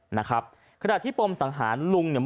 ขนาดที่ปมสงหานหลุงเนี่ย